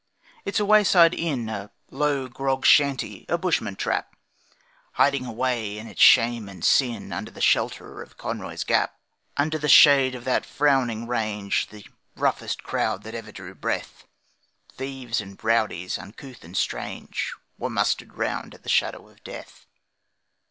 It's a wayside inn, A low grog shanty a bushman trap, Hiding away in its shame and sin Under the shelter of Conroy's Gap Under the shade of that frowning range, The roughest crowd that ever drew breath Thieves and rowdies, uncouth and strange, Were mustered round at the Shadow of Death.